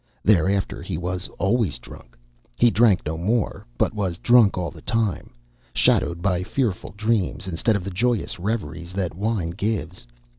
Thereafter he was always drunk. He drank no more, but was drunk all the time, shadowed by fearful dreams, instead of the joyous reveries that wine gives.